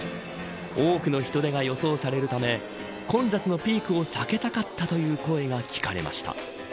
多くの人出が予想されるため混雑のピークを避けたかったという声が聞かれました。